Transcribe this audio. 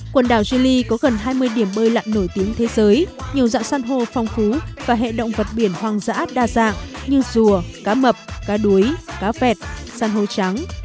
quần đảo jili có gần hai mươi điểm bơi lặn nổi tiếng thế giới nhiều dạng san hô phong phú và hệ động vật biển hoang dã đa dạng như rùa cá mập cá đuối cá vẹt san hô trắng